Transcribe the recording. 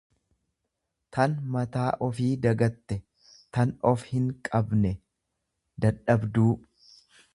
tan mataa ofii dagatte, tan of hinqabne, dadhabduu.